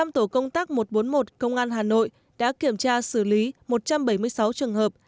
năm tổ công tác một trăm bốn mươi một công an hà nội đã kiểm tra xử lý một trăm bảy mươi sáu trường hợp